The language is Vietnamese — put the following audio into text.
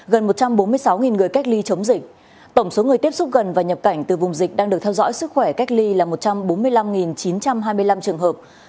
gần một trăm bốn mươi sáu người cách ly chống dịch tổng số người tiếp xúc gần và nhập cảnh từ vùng dịch đang được theo dõi sức khỏe cách ly là một trăm bốn mươi năm chín trăm hai mươi năm trường hợp